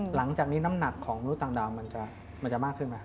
หลังจากนี้น้ำหนักของมนุษย์ต่างมันจะมากขึ้นไหม